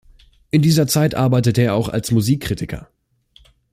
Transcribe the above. In dieser Zeit arbeitete er auch als Musikkritiker.